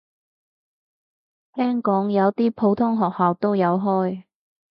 聽講有啲普通學校都有開